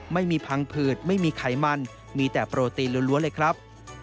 พังผืดไม่มีไขมันมีแต่โปรตีนล้วนเลยครับ